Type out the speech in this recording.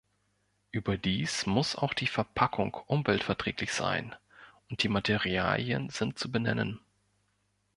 Überdies muss auch die Verpackung umweltverträglich sein und die Materialien sind zu benennen.